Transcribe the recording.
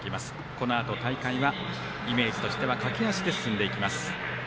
このあと大会はイメージとしては駆け足で進んでいきます。